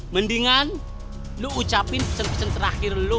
mendingan lu ucapin pesen pesen terakhir lu